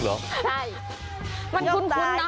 ใช่มันคุ้นนะ